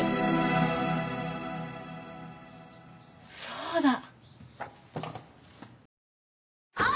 そうだ。